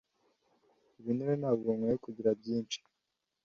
Ibinure ntabwo nkwiye kugira byinshi